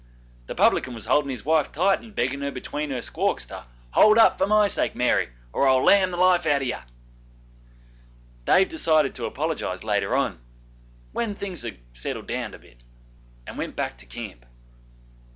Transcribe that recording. The publican was holding his wife tight and begging her between her squawks, to 'hold up for my sake, Mary, or I'll lam the life out of ye.' Dave decided to apologise later on, 'when things had settled a bit,' and went back to camp.